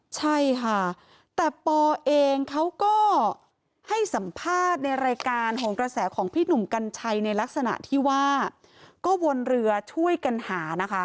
ใช่ค่ะแต่ปอเองเขาก็ให้สัมภาษณ์ในรายการโหนกระแสของพี่หนุ่มกัญชัยในลักษณะที่ว่าก็วนเรือช่วยกันหานะคะ